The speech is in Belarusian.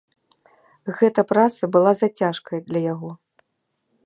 Гэта праца была зацяжкай для яго.